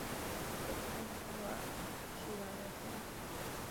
有空会去聊聊天